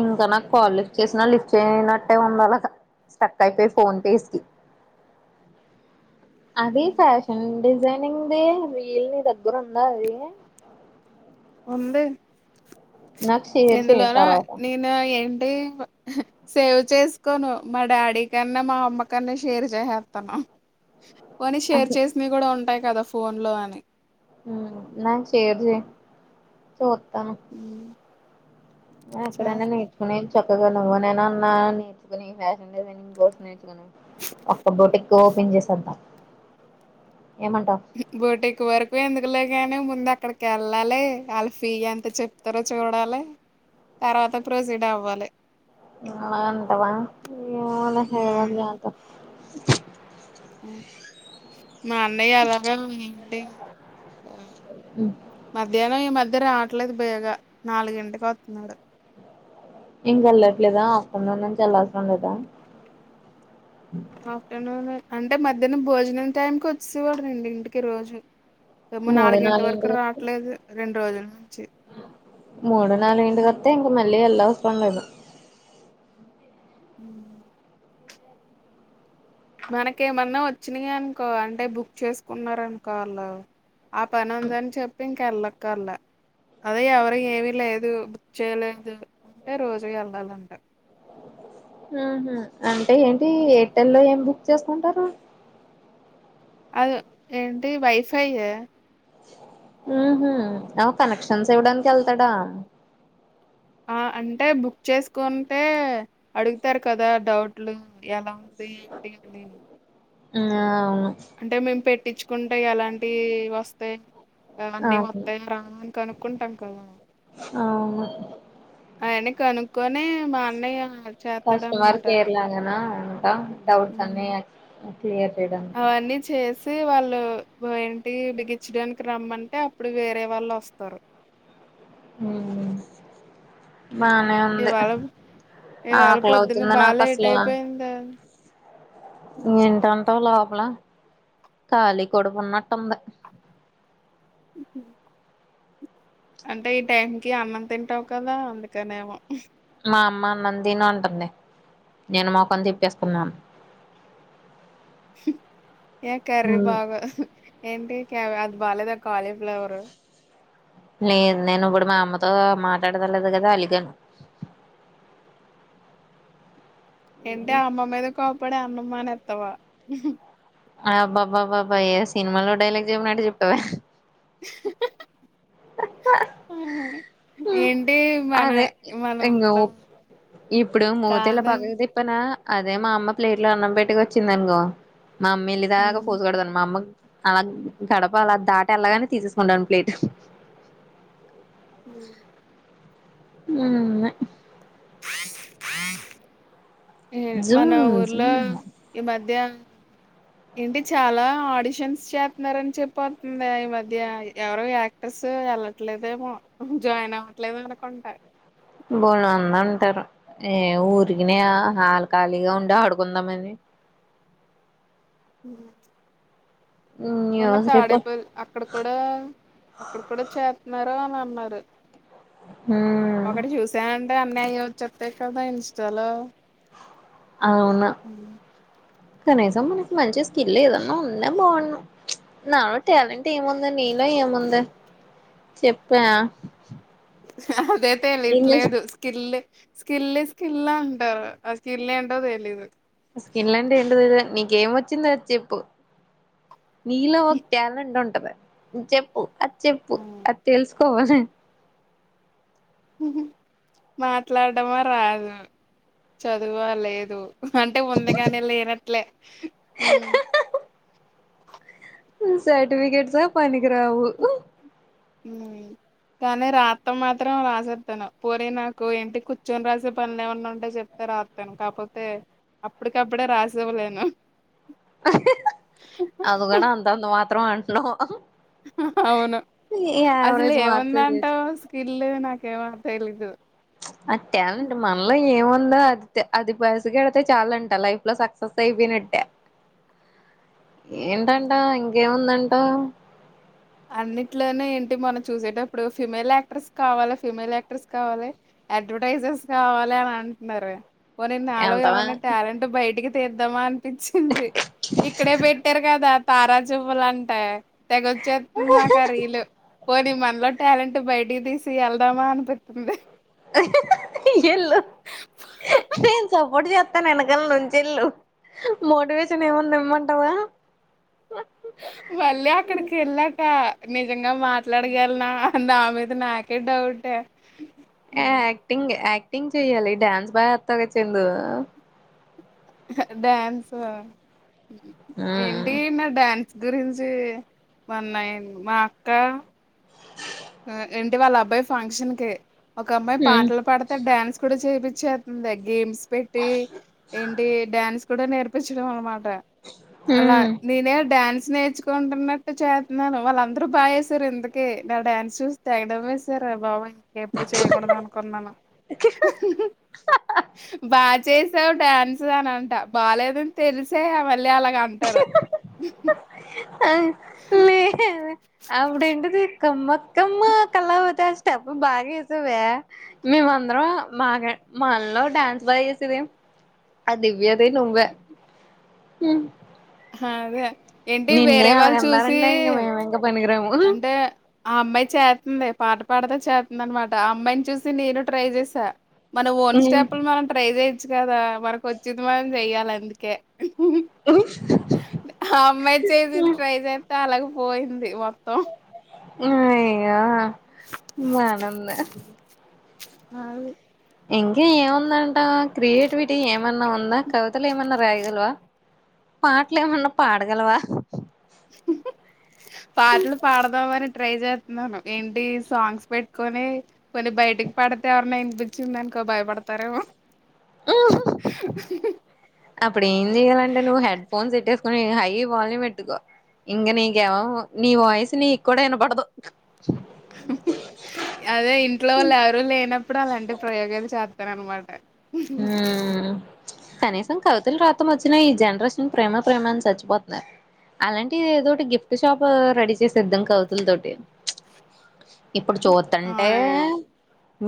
ఇంకా నాకు call lift చేసినా లిఫ్ట్ చేయనట్టే ఉంది అలాగా స్టక్ అయిపోయి ఫోన్ పేస్కి అది ఫ్యాషన్ డి జైనింగ్ ది వీల్ని దగ్గర ఉందా అది ఉంది నాకు షేర్ చేయ్ ఇందులోన తరువాత నేను [unintelligible] సేవ్ చేసుకోను మా డాడీ కన్నా మా అమ్మ కన్నా షేర్ చేసేత్తను. పోని షేర్ చేసినవి కూడా ఉంటాయ్ కదా ఫోన్ లో అని మ్మ్ నాక్ షేర్ చేయ్ చూ త్తను ఎక్కడైన్నా చేస్తా నేర్చుకునే చెప్ [unintelligible] నువ్వు నేనన్నా నేర్చుకుని ఫ్యాషన్ డిజైనింగ్ కోర్స్ నేర్చుకుని ఒక్క బొటిక్ ఓపెన్ చేసేద్దాం. ఏమంటావ్ బోటిక్ వరకు ఎందుకులే గానే ముందు అక్కడి కెళ్ళాలె వాళ్ళ ఫీ ఎంత చెప్తారో చూడాలె తర్వాత ప్రొసీడ్ అవ్వాలె. అలా అంటవా ఏమో లే ఏదోకటి చేద్దాం మ్మ్ మా అన్నయ్య అలాగా ఏ మధ్యాహ్నం ఈ మధ్యర ఆ ట్లేదు బేగా నాలుగింటికి వత్తున్నాడు ఇంగ్ వెళ్లట్లేదా ఆప్టర్నూన్ నుంచి వెళ్లాల్సినం లేదా ఆఫ్టర్నూన్ అంటే మధ్యాహ్నం భోజనం టైంకిి వచ్చేవాడుండి ఇంటికి రోజు ఏమో మూడు నాలుగింటి వరకు నాలుగింటికి వచ్చి రావట్లేదు రెండు రోజులు మూడు నాలు వంట క అే ఎక మళ్ళ ఎల్ వుస్తంగా మ్ మనకేమన్నా వచ్చినాయా అనుకో, అంటే బుక్ చేసుకున్నార అనుకో అళ్లా ఆ పని ఉందని చెప్ ఇంక వెళ్ళక్కర్లే అదే ఎవరి ఏమి లేదు, బక్ చేయలేదు అంటే రోజు వెళ్ళాలంట ఆహ అంటే ఏంటి ఏటెల్లో ఏం బుక్ చేసుకుంటారు అద ఏంటి వైఫై ఉ హ అ కనెక్షన్స్ ఎవడానికి వెళ్తాడా అంటే బుక్ చేసుకుంటే అడుగుతారు కదా డౌట్లు ఎలా ఉంది ఏంటి అని ఆ అవును అంటే మేము పెట్ పట్టించుకుంటేయి అలాంటివి వస్తాయి అంటే అవును మొత్తం రా కనుక్కుంటాం కదా అవును ఆయన కనుక్కొనే మా అన్నయ్య కస్టమర్ చేస్తాడనమాట కేర్ లాగానా అంట డౌట్స్ ఉమ్. అన్ని క్లియర్ చేయడానికి టి వాళ్ళు ఏంటి బిగించడానికి రమ్మంటే అప్పుడు వేరే వాళ్ళు వస్తారు. హ్మ్ ఉమ్. బానే ఉంది ఇవాళ ఇవాళ ఆకలి పొద్దున్న అవుతుంది బాగా నాకు లేట్ అసల అయిపోయిందా ఏంటంటావ్ లోప ఖాళీకడపు ఉన్నట్టుంది ఊహు అంటే ఈ టైం కి అన్నం తింటావు కదా అందుకనేమో మా అమ్మ అన్న తిను అంటంది నేను మొఖం తిప్పేసుకున్నాను. ఏ కర్రీ ఊమ్ బాగా ఏంటి అది బాలేదా కాలీఫ్లవర్ లేదు నేను ఇప్పుడు మా అమ్మతో మాట్లాడదలేదు కదా అలిగాను ఏంటి ఆ అమ్మ మీద కోపాడ అన్నం మానేస్తావ్ తవా ఆబ్బాబాబ్బాబ్బా ఏ సినిమాలో డైలాగ్ చెప్పినట్ట చెప్పవే అవు అదే మన ఇంగ ఊర్లో ఇప్పుడు ముతేల కాదు పాకలే తిపాన అదే మా అమ్మ ప్లేట్ లో అన్నం పెట్టుకు వచ్చిందనుకో మా అమ్మ ఇలిదాకా పోసుగడదాన్న మా అమ్మ అలా గడప అలా దాటి అలాగానే తీసేసుకుంటను ప్లేట్ ఉ ఉ [inaudible] జుమ్ మన ఊర్లో జుమ్ ఈ మధ్య ఏంటి చాలా ఆడిషన్స్ చేస్తున్నారని చెప్పతుంది ఆ ఈ మధ్య ఎవరో యాక్టర్స్ వెళ్లట్లేదేమో జాయిన్ అవ్వట్లేదు అనుకుంటా బోను అంద అంటారు ఏ ఊరికినే హాలఖళీగా ఉం ఆడుకుందామని ఉ మొన్న న్యూస్ తాడేపో రిపోర్ట్ అక్కడ కూడా అక్కడ కూడా చేస్తున్నారు అని అన్నారు ఉ అన్నయ్య అని చెప్పారు కదా ఇన్స్టలో అవునా ఉమ్. కనీసం మనకి మంచించి ఇల్లే ఏది అన్న ఉందేమో నాలో టాలెంట్ ఏ ముంద నీలో ఏ ఉందే చెప్ప స అదైతే వీట్లేదు స్కిల్ స్కిల్ స్కిల్ అంటారు ఆ స్కిల్ ఏంటో తెలీదు ఆ స్కిన్ లాంటడి ఏంటి తెద నీకేం వచ్చింది చెప్పు నీల ఒక ట్యాలెంట్ ఉంట చెప్పు అది చెప్పు అది తెలుసు పో అసే మాట్లాడడమా రాదు చదువ లేదు అంటే ఉందిగాని లేనట్లే ఉ సర్టిఫికేట్ స పని గ్రావు కానీ రాతం మాత్రం రాసేతాను పోరి నాకు ఏంటి కూర్చొని రాసే పనులు ఏమన్నా ఉంటే చెప్తే రాతాను కాపోతే అప్పటికప్పుడే రాసివ్వలేను అది కూడా అంతంత మాత్రం అంటున్నావు ఆహా అవును అసలు యావరేజ్ మార్క్స్ ఏముందంట తెచ్చి స్కిల్ నాకే మో తెలీదు ఆ టాలెంట్ మనలో ఏముందో అది తే అది పసిగడితే చాలు అంట లైఫ్ లో సక్సెస్ అయిపోయినట్టే ఏంటంట ఇంకేముందం అ అన్నిట్లోనే ఏంటి మనం చూసేటప్పుడు ఫిమేల్ యాక్టర్స్ కావాలే ఫిమేల్ యాక్టర్స్ కావాలే అడ్వర్టైజర్స్ కావాలే అని అంటున్నారు పోనీ నాలో ఎళ్తావా ఏమనా టాలెంట్ బయటికి తీద్ద మా అనిపించింది ఇక్కడే పెట్టారు కదా తారాజువలు అంటే తెగోచే ఇందాక రీలు పో నీ మనలో టాలెంట్ బాయ్ బైటికీ తీసి వెళ్దామా అనిపితుంది ఎళ్ళు నేను సపోర్ట్ చేస్తాను వెనకాల నుంచి యేళ్ళు మోటివేషన్ ఏమన్న ఇమ్మంటావా మళ్ళీ అక్కడికి ఏళ్లకా నిజంగా మాట్లాడగలనా అ నా మీద నాకే డౌట్ ఆ ఆక్టింగ్ యాక్ టింగ్ చేయాలి డాన్స్ బాగా ఎత్తావ్ గా చెందు డ్యాన్స్ ఆ ఏంటి నా డాన్ న్స్ గురించి మొన్న మా అక్క ఏంటి వాళ్ళ అబ్బాయి ఫంక్షన్ కి ఒక అమ్మాయి పాటలు పాడితే డాన్స్ కూడా చేపిచ్చే ఉందా గేమ్స్ పెట్టి ఏంటి డ్యాన్స్ కూడా నేర్పించడం అనమాట అలా నేనే డాన్స్ నేర్చుకుంటున్నట్టు చేతున్నాను వాళ్ళు అందరూ బా చేశారు ఇంతకీ నా డ్యాన్స్ చూస్తే ఐడం ఏసర్ రా బాబోయి ఎప్పుడు చేయకూడదు అనుకున్నాను బా చేసావు డ్యాన్స్ అని అంట బాలేదని తెలిసే అవని మళ్ళీ అలాగ అంటారు అ లేదే అప్పుడేంటిది కమ్మకమ్మ కల్లావతి ఆ స్టెప్ బాగా వేసావే మేమందరం మా మనలో డ్యాన్స్ బాగా చేసేది అ దివ్యది నువ్వే మ్మ్ అదే ఏంటి వేరే వాళ్ళు చూసి అలాగన్నారంటే ఇంక మేము ఇంక పనికిరాము అంటే ఆ అమ్మాయి చేత్తంది పాట పాడతా చేత్తంది అన్నమాట ఆ అమ్మాయిని చూసి నేను ట్రై చేసా మన ఓన్ స్టెప్పులు మనం ట్రై చే చ్చు కదా మనకు వచ్చింది మనం చెయ్యాలి అందుకే అయ్యో ఆ అమ్మాయి చేసింది ట్రై చేస్ అలగే పోయింది మొత్తం ఈ ఇగ ఇంగ అనన్లే అ ఇంకా ఏముందంట క్రియేటివిటీ ఏమన్నా ఉందా, కవితలు ఏమన్నా రాయగలవా, పాటలు ఏమన్నా పాడగలవా పాటలు పాడదామనే ట్రై చేతున్నాను ఏంటి సాంగ్స్ పెట్టుకొని కొన్ని బయటికి పడితే ఎవరినైంది పపించిందనుకో భయపడతారేమో అప్పుడు ఏం చెయాలంటే నువ్వు హెడ్ ఫోన్ పెట్టేసుకొని హై వాల్యూమ్ పెట్టుకో, ఇంకా నీకెవ నీ వాయిస్ నీ ఇక్కడ విన పడదు. అదే ఇంట్లో వాళ్ళు ఎవరు లేనప్పుడు అలాంటివి ప్రయోగాలు చేత్ రన్నమాట హ్మ్ కనీసం కవితలు రాతం వచ్చినా ఈ జనరేషన్ ప్రేమ ప్రేమ అని చచ్చిపోతున్నారు, అలాంటి ఏదోటి గిఫ్ట్ షాప్ రెడీ చేసేద్దాం కవితల తోటి ఇప్పుడు చూతంటే అవునే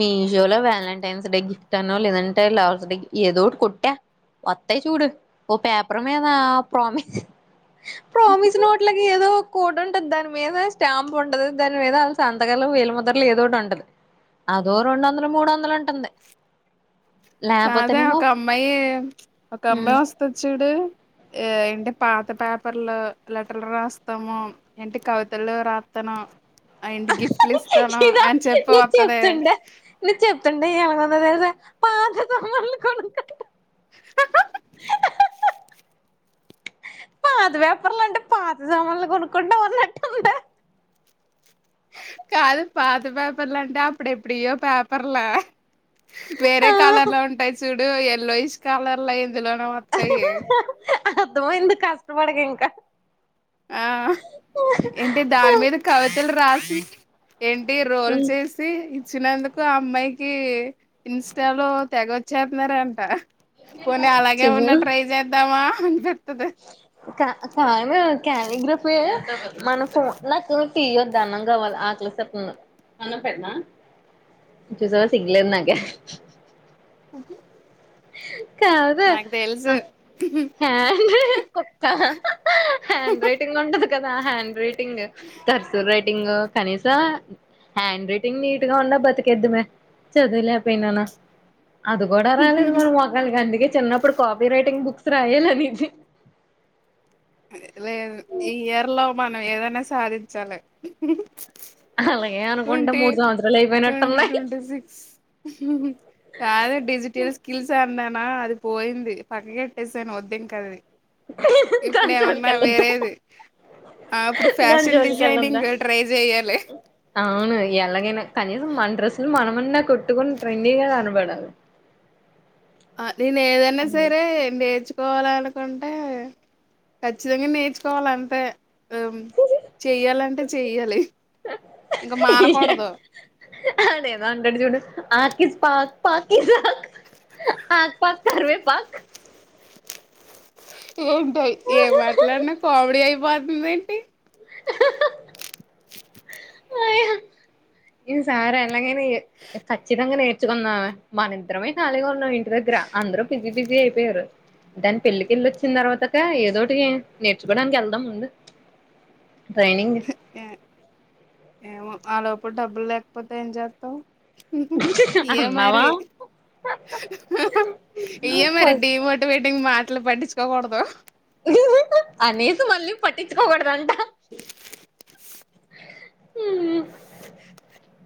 మీ షో లో వ్యాలంటైన్స్ డే గిఫ్ట్ అన్నా లేదం ట్టస ఏదటి కుట్టా ఒత్త చూడు పేపర్మే ప్రోమిస్ ప్రోమిస్ నోట్లకి ఏదో కోటి ఉంటది దాని మీద స్టాంప్ ఉంటది దాని మీద వా సంతకలు వీలుముద్ర ఏదో ఒకటి ఉంటది, అదో రెండు వందలు మూడు వందలు ఉంటుంది. కాదా లేపోతేనేమో ఒక అమ్మాయి ఒక హ్మ్ అమ్మాయి వస్తచ్చూడు ఆ ఎంట పాత పేపర్లు లెటర్లు రాస్తాము ఏంటి కవితలు రాస్తాను ఆయింటి గిఫ్ట్లు ఇస్తాను ఇదా అయని చెప్పి నువ్వు వస్తదే చెప్తుండే నువ్వు చెప్తుండే అలాగా ఉందొ తెలుసా పాత [unintelligible] పాత పెపర్లు అంటే పాత జమలు కొనుక్కుంటా అన్నట్టందా కాదు పాత పేపర్ల అంటే అప్పుడు ఎప్పుడు ఇయ్యో పేపర్లా వేరే ఆ కలర్లో ఉంటాయి చూడు ఎల్లోయిష్ కలర్ లో అయింది ఇందులోనా వత్తయ్యే అర్థమైంది కష్టపడకింక ఆ ఏంటి దాని మీద కవితలు రా అ ఏంటి రోల్ చేసి చ్చినందుకు ఆ అమ్మాయికి ఇన్స్టాలో తెగ వచ్చేత్నారంట పోనీ అలాగేమన్నా చూసావా ట్రై చేద్దామా [unintelligible] తుద కానీ క్యాలీగ్రఫి మన ఫోన్ నాకు తీయ్యొద్దు అన్నం కావాలి ఆకలేసేస్తంది చూసేవా సిగలేదు నాకే [unintelligible] [unintelligible] కాదు నాకు తెలుసు [unintelligible] కుక్క హ్యాండ్ రైటింగ్ ఉంటది కదా హ్యాండ్ రైటింగ్ కర్సూ రైటింగ్ కనీసం హ్యాండ్ రైటింగ్ నీట్ గా ఉన్నా బతికేద్దుమే చదువులేకపోయినానూ అది కూడా రాలేదు మనం మొఖాలకందుకే చిన్నప్పుడు కాపీ రైటింగ్ బుక్స్ రాయలనీది అదే లేదు ఈ ఇయర్లా మనం ఏదైనా సాధించాలి అలాగే అనుకుంటా ట్వంటీ మూడు సంవత్సరాలు ట్వంటీ అయిపోయినట్టున్నాయి ట్వంటీ సిక్స్ కాద డిజిటల్ స్కిల్స్ అన్నారు నా అది పోయింది పక్క కెట్టేసాను వద్దు ఇంకా అది [unintelligible] ఇప్పుడు ఏమన్నా జోలికెళ్ళొద్దు వేరేది అప్పుడు దాని ఫ్యాషన్ జోలికెళ్ళొద్దు డిజైనింగ్ ట్రై చెయ్యాలి అవును ఎలాగైనా కనీసం మన డ్రెస్సులు మనమన్నా కొట్టుకొని ట్రెండీగా కనబడాలి ఆ నేను ఏదన్న అమ్మ సేరే నేర్చుకో కోవాలనుకుంటే ఖచ్చితంగా నేర్చుకోవాల అంతే హమ్ చెయ్యాలంటే చెయ్యాలి ఇంకా మానకూడదు ఆక్ ఈజ్ పాక్ పాక్ ఇస్ ఆక్ ఆక్ పాక్ కరివేపాక్ ఏంటోయ్ ఏం మాట్లాడినా కామెడీ అయిపోద్ నువ్వేంటి [inaudible] [unintelligible] [unintelligible] ఈ సారి ఎలాగైనా ఖచ్చితంగా నేర్చుకుందామే మన ఇద్దరమే ఖాళీగా ఉన్నాం ఇంటి దగ్గర అందరూ బిజీ బిజీ అయిపోయారు దాని పెళ్లికిెళ్ళి వచ్చిన తర్వాత ఏదోటి నేర్చుకోడానికి వెళ్దాం ట్రైనింగ్ ఏ- ఏమో ఆ లోపల డబ్బులు లేకపోతే ఏం చేస్తావ్ ఇవే అమ్మావా మరి ఏయ్యే మరి డి మోటివేటింగ్ మా లు పట్టించుకోకూడదు లేదు మళ్ళీ పట్టించుకోకూడదు అంట [unintelligible] హ ఉమ్ [inaudible]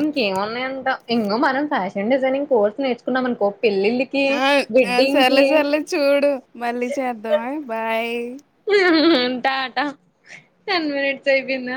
ఇంకేమున్నాయంటా ఇంగో మనం ఫ్యాషన్ డిజైనింగ్ కోర్స్ నేర్చుకున్నాం అనుకో పెళ్ళిళ్ళకి ఆ ఆ వెడ్డింగ్ కి సర్లే సర్లే చూడు మళ్లీ చేద్దామే బాయ్ ఉంటా అంట టెన్ మినిట్స్ అయిపోయింద